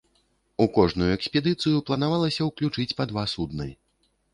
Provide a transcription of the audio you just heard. У кожную экспедыцыю планавалася ўключыць па два судны.